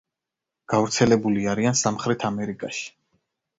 გავრცელებული არიან სამხრეთ ამერიკაში.